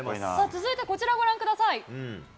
続いてこちらご覧ください。